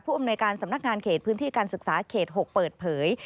อำนวยการสำนักงานเขตพื้นที่การศึกษาเขต๖เปิดเผย